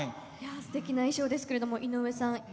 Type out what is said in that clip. すてきな衣装ですけれども井上さん